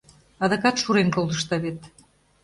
Адакат шурен колтышда вет.